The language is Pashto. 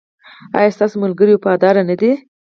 ایا ستاسو ملګري وفادار نه دي؟